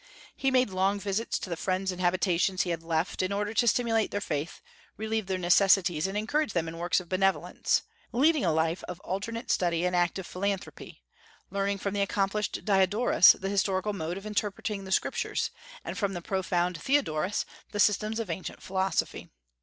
He made long visits to the friends and habitations he had left, in order to stimulate their faith, relieve their necessities, and encourage them in works of benevolence; leading a life of alternate study and active philanthropy, learning from the accomplished Diodorus the historical mode of interpreting the Scriptures, and from the profound Theodorus the systems of ancient philosophy.